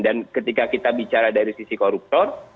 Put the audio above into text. dan ketika kita bicara dari sisi koruptor